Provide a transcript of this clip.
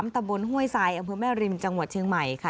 ตะบนห้วยทรายอำเภอแม่ริมจังหวัดเชียงใหม่ค่ะ